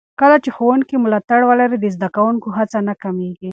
کله چې ښوونکي ملاتړ ولري، د زده کوونکو هڅه نه کمېږي.